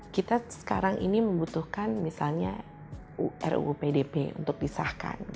kita sekarang ini membutuhkan misalnya ruu pdp untuk disahkan